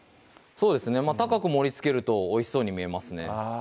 そうですね高く盛りつけるとおいしそうに見えますね